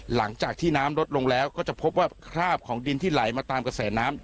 หลังจากที่น้ำลดลงแล้วก็จะพบว่าคราบของดินที่ไหลมาตามกระแสน้ำ